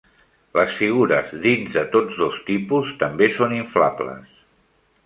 Les figures dins de tots dos tipus també són inflables.